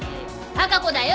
貴子だよ！